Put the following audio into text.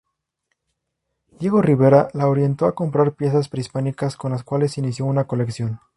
Diego Rivera la orientó a comprar piezas prehispánicas, con las cuales inició una colección.